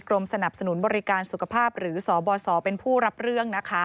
สนับสนุนบริการสุขภาพหรือสบสเป็นผู้รับเรื่องนะคะ